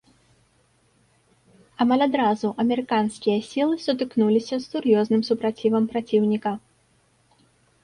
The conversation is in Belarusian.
Амаль адразу амерыканскія сілы сутыкнуліся з сур'ёзным супрацівам праціўніка.